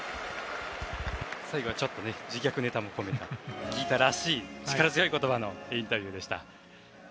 最後はちょっと自虐も込めたギータらしい力強い言葉のインタビューでした。